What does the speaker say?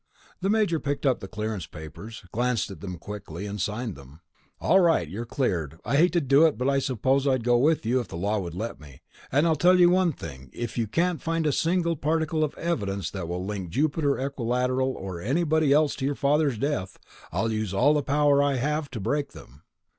The Major picked up the clearance papers, glanced at them quickly, and signed them. "All right, you're cleared. I hate to do it, but I suppose I'd go with you if the law would let me. And I'll tell you one thing ... if you can find a single particle of evidence that will link Jupiter Equilateral or anybody else to your father's death, I'll use all the power I have to break them."